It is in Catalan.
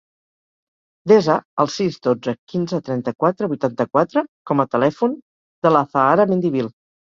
Desa el sis, dotze, quinze, trenta-quatre, vuitanta-quatre com a telèfon de l'Azahara Mendivil.